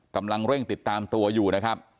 กำลังเร่งติดตามตัวอยู่นะครับ